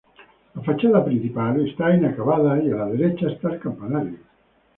La fachada principal está inacabada y, a la derecha, está el campanario.